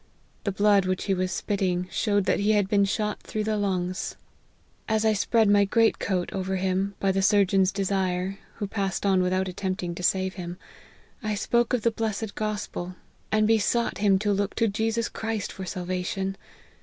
The blood which he was spitting, showed that he had been shot through the lungs. As I spread my LIFE OF HENRY MARTYN. 65 great coat over him, by the surgeon's desire, who passed on without attempting to save him, I spoke of the blessed gospel, and besought him to look to Jesus Christ for salvation.